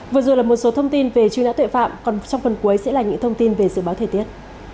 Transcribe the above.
vừa rồi là một số thông tin về truyền hóa tuệ phạm còn trong phần cuối sẽ là những thông tin về dự báo thể tiết